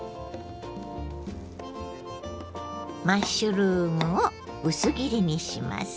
マッシュルームを薄切りにします。